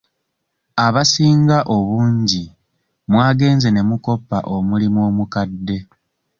Abasinga obungi mwagenze ne mukoppa omulimu omukadde.